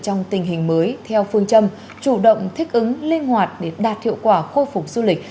trong tình hình mới theo phương châm chủ động thích ứng linh hoạt để đạt hiệu quả khôi phục du lịch